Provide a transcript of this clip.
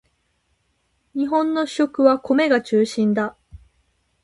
日本の主食は米が中心だ